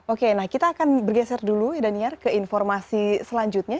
oke nah kita akan bergeser dulu ya daniar ke informasi selanjutnya